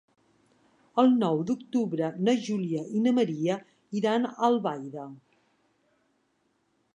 El nou d'octubre na Júlia i na Maria iran a Albaida.